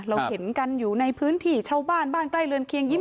เราเห็นกันอยู่ในพื้นที่ชาวบ้านบ้านใกล้เรือนเคียงยิ้ม